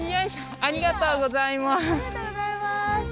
ありがとうございます。